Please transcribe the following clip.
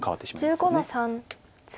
黒１５の三ツギ。